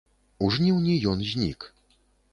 У жніўні ён знік.